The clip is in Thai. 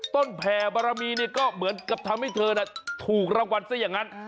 ต้นแผ่บรมีก็เหมือนกับทำให้เธอน่ะถูกรวรรณซะอย่างนั้น